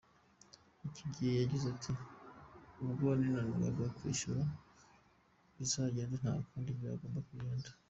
Icyo gihe yagize ati “Ubwo ninanirwa kwishyura izagenda, nta kundi byagombaga kugenda.